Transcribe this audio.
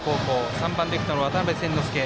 ３番レフトの渡邉千之亮。